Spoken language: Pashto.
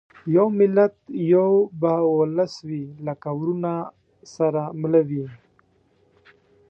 یو ملت یو به اولس وي لکه وروڼه سره مله وي